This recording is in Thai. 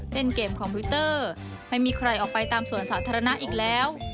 เล่นเกมคอมพิวเตอร์ไม่มีใครออกไปตามสวนสาธารณะอีกแล้ว